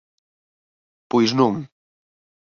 Pois non.